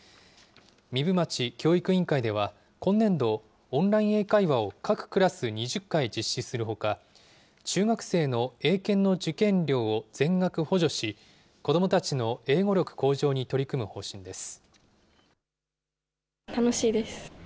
壬生町教育委員会では、今年度、オンライン英会話を各クラス２０回実施するほか、中学生の英検の受験料を全額補助し、子どもたちの英語力向上に取り組む方針です。